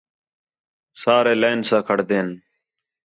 سارے لائن سا کھڑدین